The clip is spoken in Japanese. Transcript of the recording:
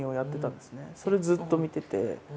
それずっと見てて。